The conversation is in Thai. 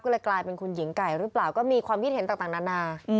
ก็เลยกลายเป็นคุณหญิงไก่หรือเปล่าก็มีความคิดเห็นต่างนานา